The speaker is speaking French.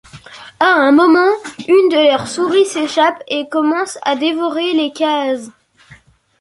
À un moment, une de leurs souris s'échappe et commence à dévorer les cases.